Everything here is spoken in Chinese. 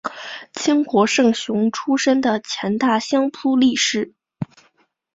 清国胜雄出身的前大相扑力士。